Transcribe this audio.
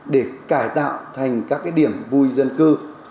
để cải tạo thành các cái điểm vui dân cư